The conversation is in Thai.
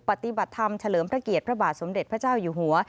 ปฏิบัติธรรมเฉลิมพระเกียรติพระบาทสมเด็จพระเจ้าอยู่หัว